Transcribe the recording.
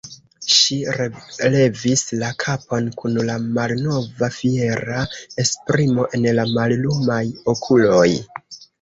Ŝi relevis la kapon kun la malnova fiera esprimo en la mallumaj okuloj.